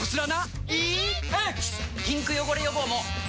ピンク汚れ予防も！